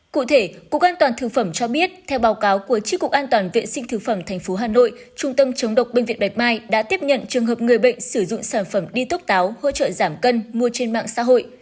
cụ thể cục an toàn thực phẩm cho biết theo báo cáo của tri cục an toàn vệ sinh thực phẩm tp hà nội trung tâm chống độc bệnh viện bạch mai đã tiếp nhận trường hợp người bệnh sử dụng sản phẩm đi thuốc táo hỗ trợ giảm cân mua trên mạng xã hội